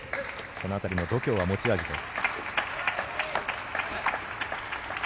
この辺りの度胸が持ち味です。